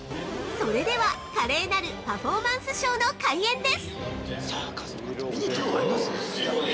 ◆それでは、華麗なるパフォーマンスショーの開演です！